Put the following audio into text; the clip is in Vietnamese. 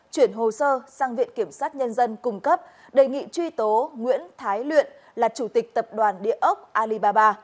chuyển hồ sơ sang viện kiểm sát nhân dân cung cấp đề nghị truy tố nguyễn thái luyện là chủ tịch tập đoàn địa ốc alibaba